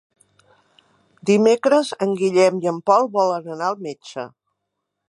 Dimecres en Guillem i en Pol volen anar al metge.